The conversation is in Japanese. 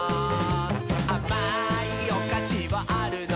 「あまいおかしはあるのかな？」